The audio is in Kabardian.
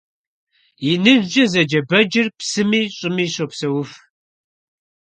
«ИныжькIэ» зэджэ бэджыр псыми щIыми щопсэуф.